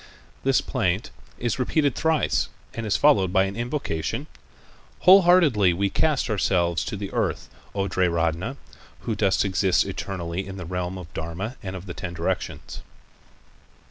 This plaint is repeated thrice and is followed by an invocation: "Wholeheartedly we cast ourselves to the earth, O Triratna, who dost exist eternally in the realm of dharma of the ten directions."